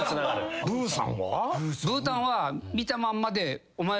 ブーたんは。